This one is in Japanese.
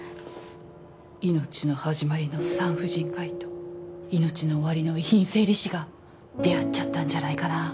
命の始まりの産婦人科医と命の終わりの遺品整理士が出会っちゃったんじゃないかな？